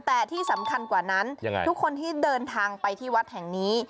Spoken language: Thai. แต่ที่สำคัญกว่านั้นทุกคนที่เดินทางไปที่วัดแห่งนี้